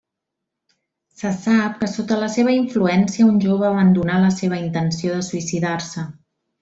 Se sap que sota la seva influència un jove abandonà la seva intenció de suïcidar-se.